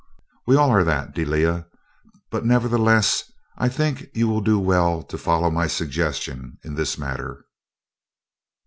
"We all are that, Delia, but nevertheless I think you will do well to follow my suggestion in this matter."